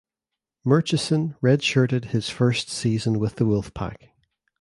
Murchison redshirted his first season with the Wolfpack.